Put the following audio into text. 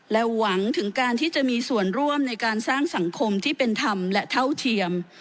และหวังถึงการที่จะมีส่วนร่วมในการสร้างสังคมที่เป็นธรรมและเท่าเทียม